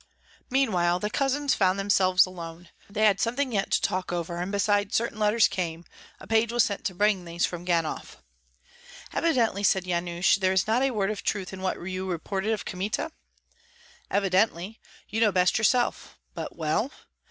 Meanwhile the cousins found themselves alone. They had something yet to talk over, and besides, certain letters came; a page was sent to bring these from Ganhoff. "Evidently," said Yanush, "there is not a word of truth in what you reported of Kmita?" "Evidently. You know best yourself. But, well?